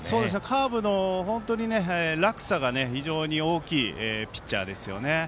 カーブの落差が非常に大きいピッチャーです。